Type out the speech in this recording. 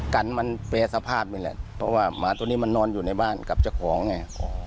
กันมันแฟร์สภาพนี่แหละเพราะว่าหมาตัวนี้มันนอนอยู่ในบ้านกับเจ้าของไง